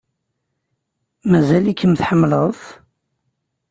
Mazal-ikem tḥemmleḍ-t?